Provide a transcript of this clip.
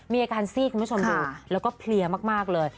มีอาการซี่คุณผู้ชมดูแล้วก็เพลียมากเลย